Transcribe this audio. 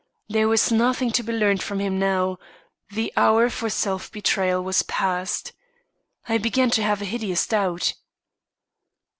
There was nothing to be learned from him now; the hour for self betrayal was past. I began to have a hideous doubt.